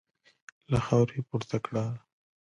له خاورو يې پورته کړه.